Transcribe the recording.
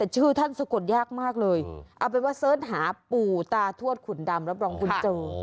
ชื่อท่านสะกดยากมากเลยเอาเป็นว่าเสิร์ชหาปู่ตาทวดขุนดำรับรองคุณเจอ